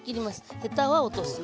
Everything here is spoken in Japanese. ヘタは落とすね。